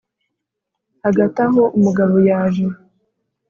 hagati aho umugabo yaje